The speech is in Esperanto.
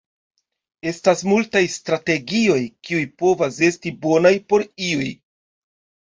Estas multa strategioj, kiuj povas esti bonaj por iuj.